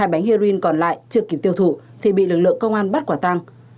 hai bánh heroin còn lại chưa kịp tiêu thụ thì bị lực lượng công an bắt quả tăng